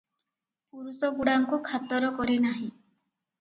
ପୁରୁଷଗୁଡ଼ାଙ୍କୁ ଖାତର କରେ ନାହିଁ ।